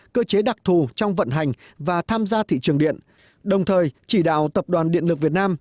cơ chế đặc thù trong vận hành và tham gia thị trường điện đồng thời chỉ đạo tập đoàn điện lực việt nam